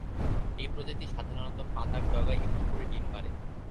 এই প্রজাতি সাধারনত পাতার ডগায় একটি করে ডিম পাড়ে।